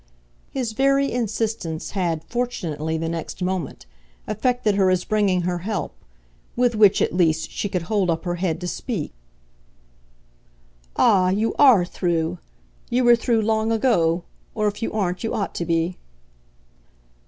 His very insistence had, fortunately, the next moment, affected her as bringing her help; with which, at least, she could hold up her head to speak. "Ah, you ARE through you were through long ago. Or if you aren't you ought to be."